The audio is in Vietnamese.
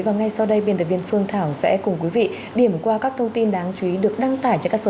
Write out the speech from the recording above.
và ngay sau đây biên tập viên phương thảo sẽ cùng quý vị điểm qua các thông tin đáng chú ý được đăng tải trên các số